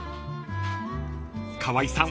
［川合さん